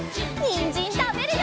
にんじんたべるよ！